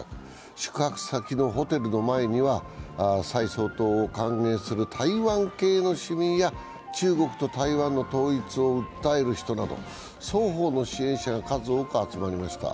宿泊先のホテルの前には蔡総統を歓迎する台湾系の市民や中国と台湾の統一を訴える人など、双方の支援者が数多く集まりました。